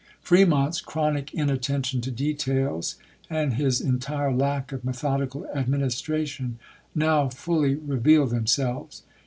Fremont's chronic inattention to details, and his entire lack of me thodical administration, now fully revealed them selves.